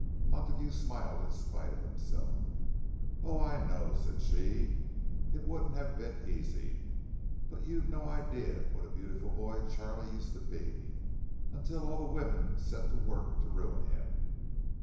Montague smiled in spite of himself. "Oh, I know," said she. "It wouldn't have been easy. But you've no idea what a beautiful boy Charlie used to be, until all the women set to work to ruin him."